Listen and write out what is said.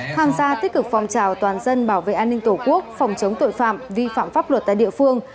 tham gia tích cực phòng trào toàn dân bảo vệ an ninh tổ quốc phòng chống tội phạm vi phạm pháp luật tại địa phương